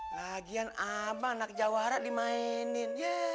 lagian abang anak jawara dimainin ya